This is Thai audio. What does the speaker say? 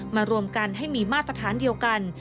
รวมกันให้มีมาตรฐานเดียวกัน